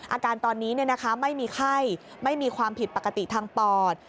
อาการตอนนี้ไม่มีไข้ไม่มีความผิดปกติทางปอด